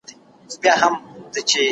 کمپيوټر حادثه ثبتوي.